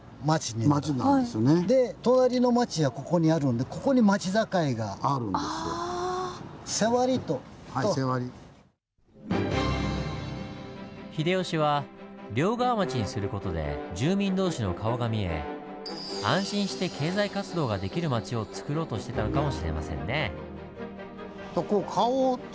隣の町はここにあるので秀吉は両側町にする事で住民同士の顔が見え安心して経済活動ができる町をつくろうとしてたのかもしれませんね！